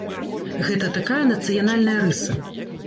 Гэта такая нацыянальная рыса.